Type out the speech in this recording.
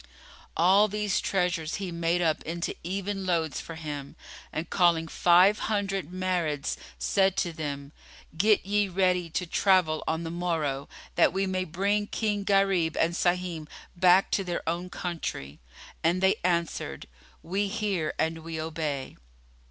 All these treasures he made up into even loads for him and, calling five hundred Marids, said to them, "Get ye ready to travel on the morrow, that we may bring King Gharib and Sahim back to their own country." And they answered, "We hear and we obey."